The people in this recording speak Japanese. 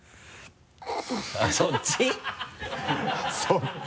そっち？